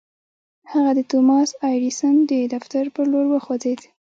هغه د توماس اې ايډېسن د دفتر پر لور وخوځېد.